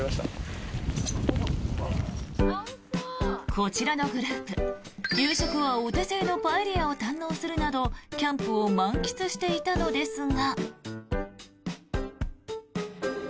こちらのグループ、夕食はお手製のパエリアを堪能するなどキャンプを満喫していたのですが。